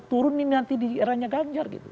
turun ini nanti di eranya ganjar gitu